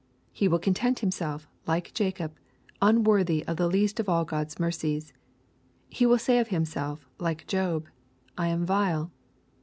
He will count himself, like Jacob, unworthy of the least of all God's mercies. He will say of himself, like Job, " I am vile."